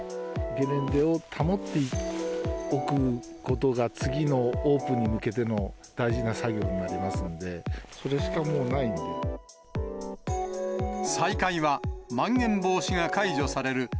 ゲレンデを保っておくことが、次のオープンに向けての大事な作業になりますので、それしかもう再開は、まん延防止が解除される